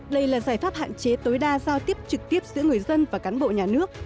đây là giải pháp hạn chế tối đa giao tiếp trực tiếp giữa người dân và cán bộ nhà nước